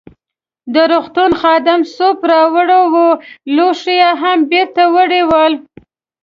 د روغتون خادم سوپ راوړی وو، لوښي يې هم بیرته وړي ول.